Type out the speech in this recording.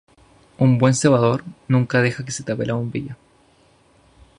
Un buen cebador nunca deja que se tape la bombilla.